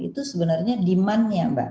itu sebenarnya demandnya mbak